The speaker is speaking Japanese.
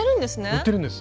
売ってるんです。